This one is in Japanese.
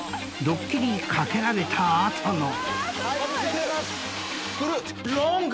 ［ドッキリにかけられた後の］